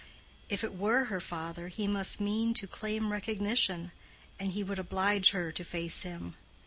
If it were her father he must mean to claim recognition, and he would oblige her to face him.